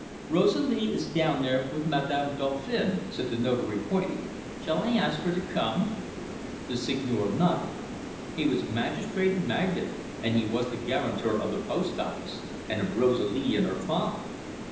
"Rosalie is down there with Madame Dauphin," said the Notary, pointing. "Shall I ask her to come?" The Seigneur nodded. He was magistrate and magnate, and he was the guarantor of the post office, and of Rosalie and her father.